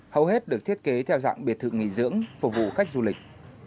hầu hết được thiết kế theo dạng biệt thự nghỉ dưỡng phục vụ khách du lịch